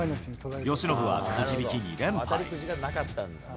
由伸はくじ引き２連敗。